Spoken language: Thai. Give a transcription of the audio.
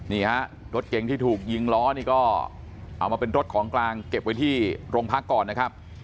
นี่ฮะรถเก่งที่ถูกยิงล้อนี่ก็เอามาเป็นรถของกลางเก็บไว้ที่โรงพักก่อนนะครับ